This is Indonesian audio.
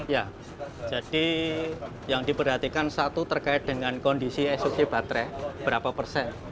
ya jadi yang diperhatikan satu terkait dengan kondisi esok baterai berapa persen